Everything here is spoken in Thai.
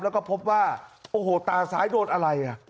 แล้วก็พบว่าโอ้โหตาซ้ายโดนอะไรอ่ะ